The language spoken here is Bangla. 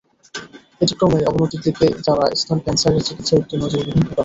এটি ক্রমেই অবনতির দিকে যাওয়া স্তন ক্যানসারের চিকিৎসায় একটি নজিরবিহীন ঘটনা।